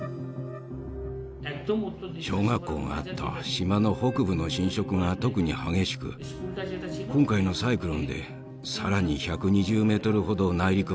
小学校があった島の北部の浸食が特に激しく今回のサイクロンでさらに１２０ｍほど内陸まで沈んだ。